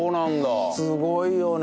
すごいよね。